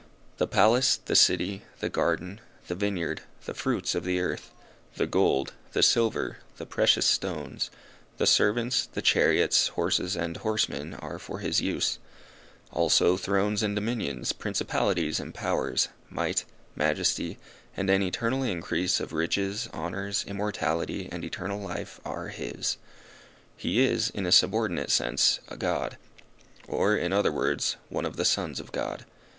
The palace, the city, the garden, the vineyard, the fruits of the earth, the gold, the silver, the precious stones, the servants, the chariots, horses and horsemen are for his use; also thrones and dominions, principalities and powers, might, majesty, and an eternal increase of riches, honours, immortality and eternal life are his. He is, in a subordinate sense, a god; or, in other words, one of the sons of God.